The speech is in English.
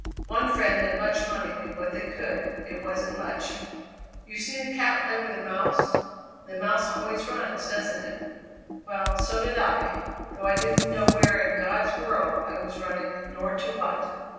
One friend and much money did what they could; it wasn't much. "You've seen a cat play with a mouse? The mouse always runs, doesn't it? Well, so did I, though I didn't know where in God's world I was running, nor to what."